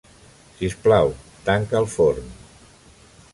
Sisplau, tanca el forn.